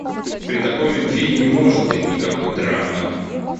При такой любви не может быть никакой драмы.